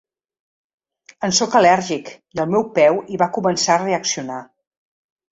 En sóc al·lèrgic i el meu peu hi va començar a reaccionar.